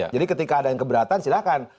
jadi ketika ada yang keberatan silahkan